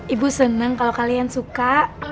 ibu seneng kalau kalian suka